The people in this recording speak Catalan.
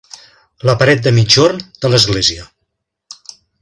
La paret de migjorn de l'església.